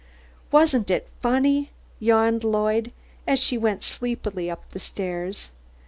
"Wasn't it funny?" yawned Lloyd, as she went sleepily up the stairs.